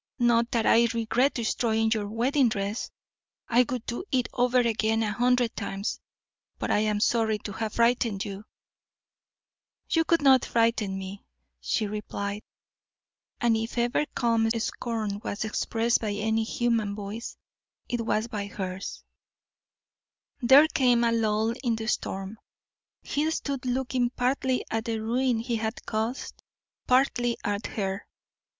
Not that I regret destroying your wedding dress: I would do it over again a hundred times; but I am sorry to have frightened you." "You could not frighten me," she replied. And if ever calm scorn was expressed by any human voice, it was by hers. There came a lull in the storm. He stood looking partly at the ruin he had caused, partly at her.